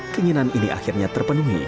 keinginan ini akhirnya terpenuhi